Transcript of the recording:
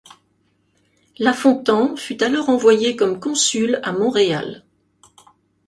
Lafontant fut alors envoyé comme consul à Montréal.